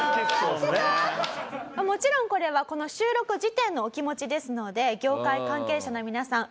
もちろんこれはこの収録時点のお気持ちですので業界関係者の皆さん